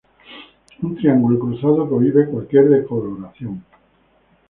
Un triángulo cruzado prohíbe cualquier decoloración.